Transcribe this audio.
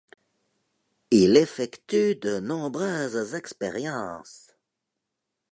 Il effectue de nombreuses expériences.